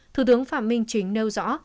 thủ tướng phạm minh chính nêu rõ